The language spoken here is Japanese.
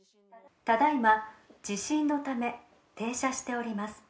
ただいま地震のため、停車しております。